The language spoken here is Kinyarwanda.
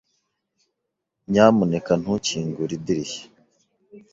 Nyamuneka ntukingure idirishya.